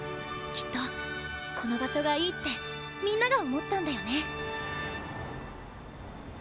きっとこの場所がいいってみんなが思ったんだよね。